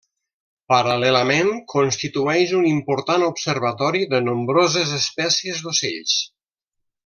Paral·lelament, constitueix un important observatori de nombroses espècies d'ocells.